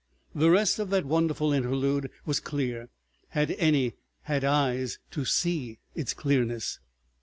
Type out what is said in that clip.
The rest of that wonderful interlude was clear, had any had eyes to see its clearness.